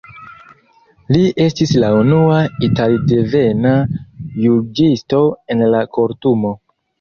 Li estis la unua italdevena juĝisto en la Kortumo.